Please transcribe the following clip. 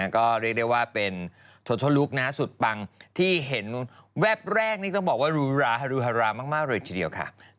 ก็เรียกได้ว่าเป็นโทลุคสุดปังที่เห็นแวบแรกนี่ต้องบอกว่ารูราฮรูฮารามากเลยทีเดียวค่ะ